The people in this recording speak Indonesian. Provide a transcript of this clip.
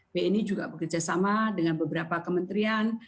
bni juga bekerjasama dengan beberapa kementerian